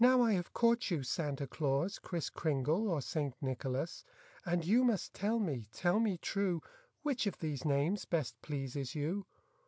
I have caught you Santa Claus, Kriss Kringle or St. Nicholas, And you must tell me, tell me true. Which of these names best pleases you'?